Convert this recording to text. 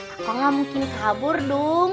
aku gak mungkin kabur dong